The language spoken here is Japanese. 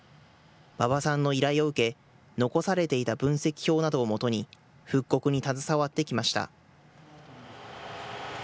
馬場さんの依頼を受け、残されていた分析表などを基に、復刻に携わってきました。